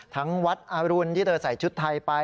ทั้งวัดอรุณที่เธอใส่ชุดไทยไป